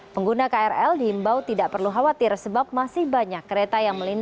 pengguna krl diimbau tidak perlu khawatir sebab masih banyak kereta yang melintas